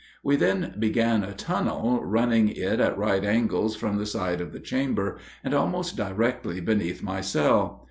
We then began a tunnel, running it at right angles from the side of the chamber, and almost directly beneath my cell.